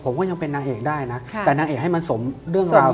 ผมก็ยังเป็นนางเอกได้นะแต่นางเอกให้มันสมเรื่องราว